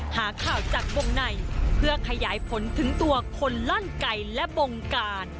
หาข่าวจากวงในเพื่อขยายผลถึงตัวคนลั่นไก่และบงการ